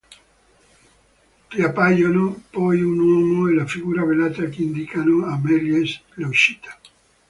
Riappaiono poi un uomo e la figura velata che indicano a Méliès l'uscita.